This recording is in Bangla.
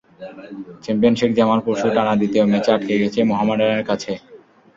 চ্যাম্পিয়ন শেখ জামাল পরশু টানা দ্বিতীয় ম্যাচে আটকে গেছে মোহামেডানের কাছে।